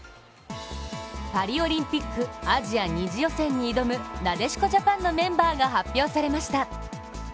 パリオリンピックアジア２次予選に挑むなでしこジャパンのメンバーが発表されました